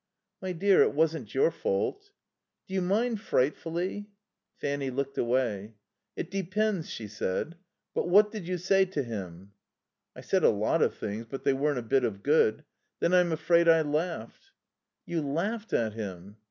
"My dear, it wasn't your fault." "Do you mind frightfully?" Fanny looked away. "It depends," she said. "What did you say to him?" "I said a lot of things, but they weren't a bit of good. Then I'm afraid I laughed." "You laughed at him?"